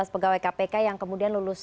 pegawai kpk yang kemudian lulus